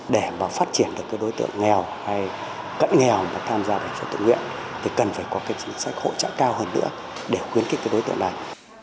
để mà phát triển được cái đối tượng nghèo hay cận nghèo mà tham gia bảo hiểm suất tự nguyện thì cần phải có cái chính sách hỗ trợ cao hơn nữa để khuyến kích cái đối tượng này